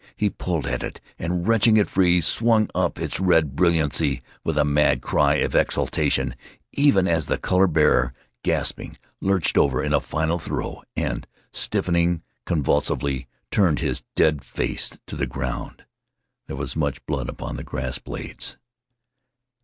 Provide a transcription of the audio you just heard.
He pulled at it and, wrenching it free, swung up its red brilliancy with a mad cry of exultation even as the color bearer, gasping, lurched over in a final throe and, stiffening convulsively, turned his dead face to the ground. There was much blood upon the grass blades.